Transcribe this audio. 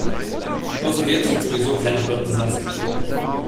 Außer dir trinkt sowieso keiner Birnensaft.